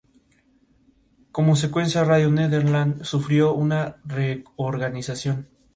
Hay menos riesgo de toxicidad con la vasodilatación que con los glucósidos cardíacos.